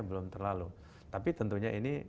belum terlalu tapi tentunya ini